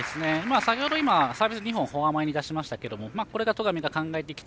先ほど、サービス２本フォア前に出しましたけどこれが戸上が考えてきた